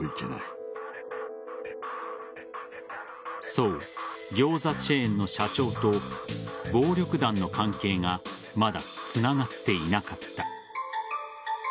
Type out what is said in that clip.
そう、餃子チェーンの社長と暴力団の関係がまだつながっていなかった。